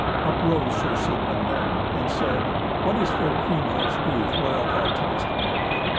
Up rose Sir Siegmund then, and said, "What is fair Kriemhild's grief, whereof thou tellest me?"